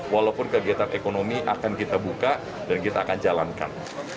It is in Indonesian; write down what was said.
walaupun kegiatan ekonomi akan kita buka dan kita akan jalankan